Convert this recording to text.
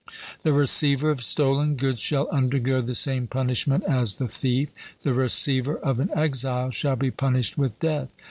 The receiver of stolen goods shall undergo the same punishment as the thief. The receiver of an exile shall be punished with death.